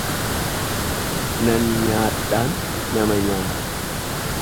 Nan nyaadhaan nama nyaata.